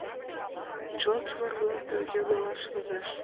Чыла кӱвар оҥам терген налаш возеш.